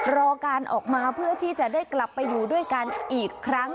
รอการออกมาเพื่อที่จะได้กลับไปอยู่ด้วยกันอีกครั้ง